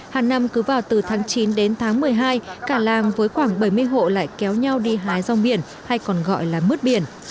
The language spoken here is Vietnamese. hàng năm cứ vào từ tháng chín đến tháng một mươi hai cả làng với khoảng bảy mươi hộ lại kéo nhau đi hái rong biển hay còn gọi là mứt biển